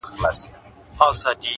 مثبت انسان د ستونزو تر شا رڼا ویني’